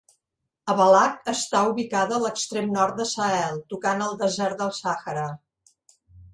Abalak està ubicada a l'extrem nord de Sahel, tocant el desert del Sàhara.